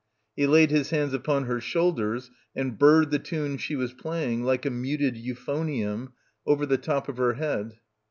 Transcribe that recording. He laid his hands upon her shoulders and burred the tune she was playing like a muted euphonium over the top of her head.